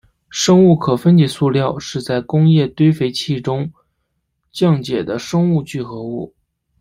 生物可分解塑胶是在工业堆肥器中降解的生物聚合物。